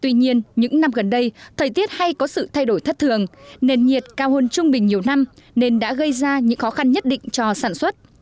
tuy nhiên những năm gần đây thời tiết hay có sự thay đổi thất thường nền nhiệt cao hơn trung bình nhiều năm nên đã gây ra những khó khăn nhất định cho sản xuất